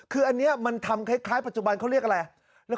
คืออันนี้มันทำคล้ายปัจจุบันเขาเรียกอะไร